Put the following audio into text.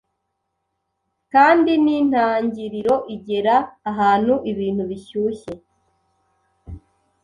kandi nintangiriro igera ahantu ibintu bishyushye